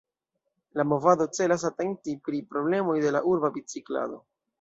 La movado celas atenti pri problemoj de la urba biciklado.